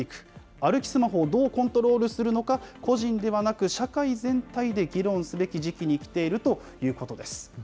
歩きスマホをどうコントロールするのか、個人ではなく、社会全体で議論すべき時期にきているということです。